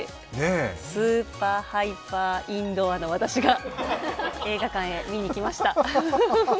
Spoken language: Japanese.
スーパーハイパーインドアの私が映画館へ見にいきました。